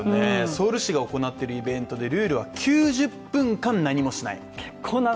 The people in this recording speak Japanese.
ソウル市が行っているイベントでルールは９０分間、何もしない。